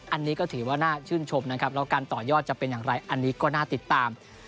อันนี้ก็ถือว่าน่าชื่นชมนะครับแล้วการต่อยอดจะเป็นอย่างไรอันนี้ก็น่าติดตาม